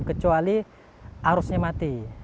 kecuali arusnya mati